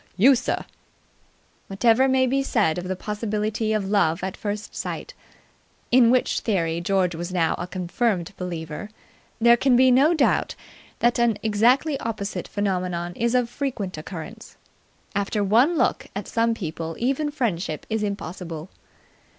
"You, sir!" Whatever may be said of the possibility of love at first sight, in which theory George was now a confirmed believer, there can be no doubt that an exactly opposite phenomenon is of frequent occurrence. After one look at some people even friendship is impossible.